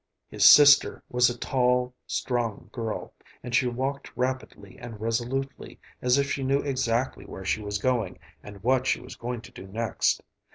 His sister was a tall, strong girl, and she walked rapidly and resolutely, as if she knew exactly where she was going and what she was going to do next.